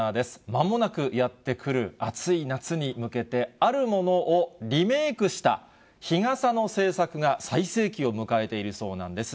まもなくやって来る暑い夏に向けて、あるものをリメークした日傘の製作が最盛期を迎えているそうなんです。